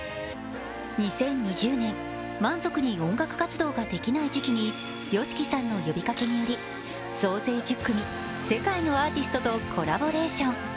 ２０２０年、満足に音楽活動ができない時期にＹＯＳＨＩＫＩさんの呼びかけにより総勢１０組、世界のアーティストとコラボレーション。